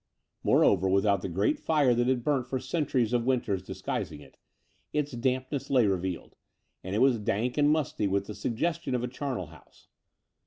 Moreover, without the great fire that had burnt for centtuies of winters disguising it, its dampness lay revealed; and it was dank and musty with the suggestion of a charnel house.